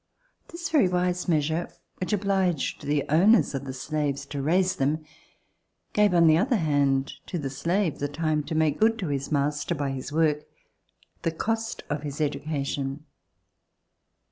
This very wise measure, which obliged the owners of the slaves to raise them, gave, on the other hand, to the slave the time to make good to his master, by his work, the cost of his education.